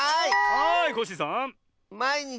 はいコッシーさん。